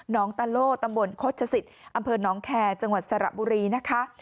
ตะโล่ตำบลโฆษศิษย์อำเภอน้องแคร์จังหวัดสระบุรีนะคะ